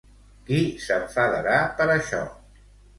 Qui s'enfadarà per això?